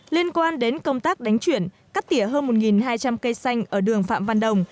liên quan đến công tác đánh chuyển cắt tỉa hơn một hai trăm linh cây xanh ở đường phạm văn đồng